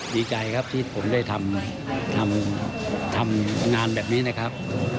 ดีใจครับที่ผมได้ทำงานแบบนี้นะครับ